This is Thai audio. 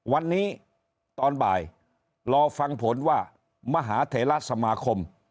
วันนี้ตอนบ่ายรอฟังผลว่ามหาเถระสมาคม